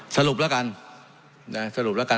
สรุปแล้วกันสรุปแล้วกัน